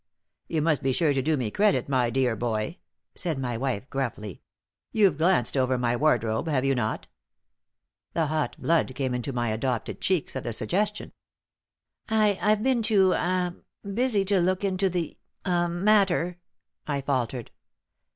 "You must be sure to do me credit, my dear boy," said my wife, gruffly. "You've glanced over my wardrobe, have you not?" The hot blood came into my adopted cheeks at the suggestion. "I I've been too ah busy to look into the ah matter," I faltered.